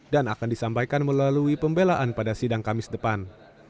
dan akan disampaikan melalui pembelaan pada sidang kamis depan